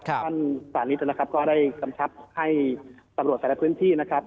ท่านสานิทนะครับก็ได้กำชับให้ตำรวจแต่ละพื้นที่นะครับ